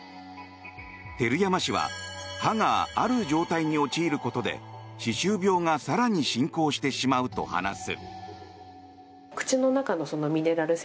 照山氏は歯が、ある状態に陥ることで歯周病が更に進行してしまうと話す。